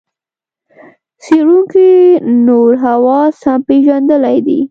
څېړونکو نور حواس هم پېژندلي دي.